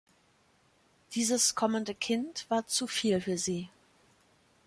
Dieses kommende Kind war zu viel für sie.